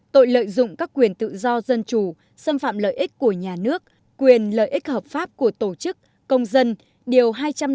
tội lợi dụng các quyền tự do dân chủ xâm phạm lợi ích của nhà nước quyền lợi ích hợp pháp của tổ chức công dân điều hai trăm năm mươi